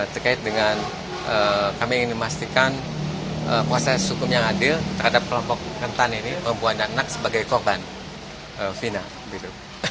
terkait dengan kami ingin memastikan proses hukum yang adil terhadap kelompok rentan ini perempuan dan anak sebagai korban fina gitu